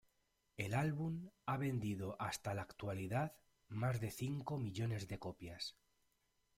El álbum ha vendido hasta la actualidad, más de cinco millones de copias.